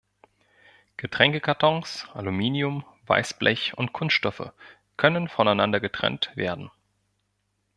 Getränkekartons, Aluminium, Weißblech und Kunststoffe können voneinander getrennt werden.